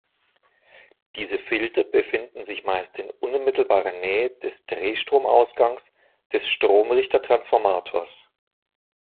Diese Filter befinden sich meist in unmittelbarer Nähe des Drehstrom-Ausgangs des Stromrichter-Transformators.